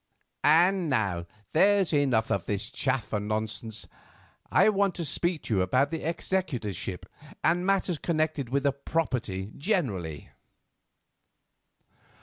And now, there's enough of this chaff and nonsense. I want to speak to you about the executorship and matters connected with the property generally."